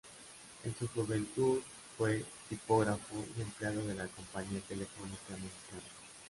En su juventud fue tipógrafo y empleado de la Compañía Telefónica Mexicana.